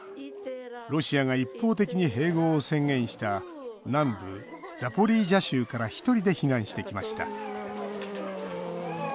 ロシアが一方的に併合を宣言した南部ザポリージャ州から１人で避難してきました